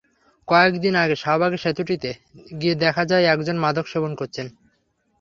কয়েক দিন আগে শাহবাগের সেতুটিতে গিয়ে দেখা যায়, একজন মাদক সেবন করছেন।